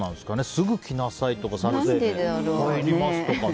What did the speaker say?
すぐ来なさいとか撮影入りますとかね。